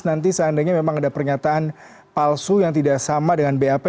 nanti seandainya memang ada pernyataan palsu yang tidak sama dengan bap